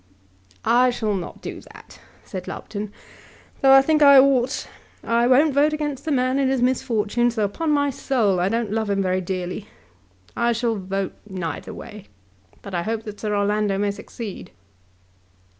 "I shall not do that," said Lupton, "though I think I ought. I won't vote against the man in his misfortunes, though, upon my soul, I don't love him very dearly. I shall vote neither way, but I hope that Sir Orlando may succeed."